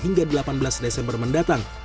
hingga delapan belas desember mendatang